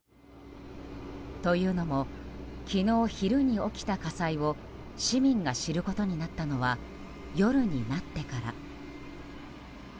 というのも昨日昼に起きた火災を市民が知ることになったのは夜になってから。